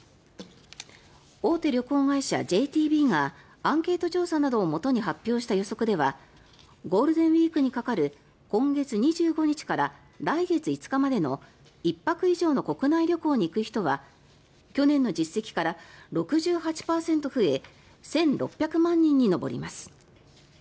大手旅行会社ＪＴＢがアンケート調査などをもとに発表した予測ではゴールデンウィークにかかる今月２５日から来月５日までの１泊以上の国内旅行に行く人は去年の実績から６８％増え１６００万人に上ります。